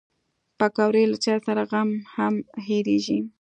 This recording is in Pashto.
پکورې له چای سره غم هم هېرېږي